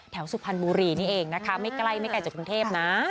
สุพรรณบุรีนี่เองนะคะไม่ใกล้ไม่ไกลจากกรุงเทพนะ